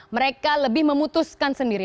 mereka lebih memutuskan sendiri